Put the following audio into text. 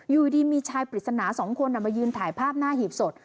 อยู่ดีมีชายปริศนา๒คนมายืนถ่ายภาพหน้าหีบสด